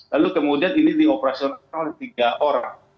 lalu kemudian ini di operasional oleh tiga orang